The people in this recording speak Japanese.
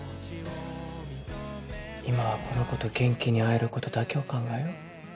今はこの子と元気に会えることだけを考えよう。